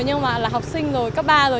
nhưng mà là học sinh rồi cấp ba rồi